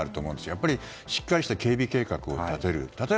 やはりしっかりした警備計画を立てる。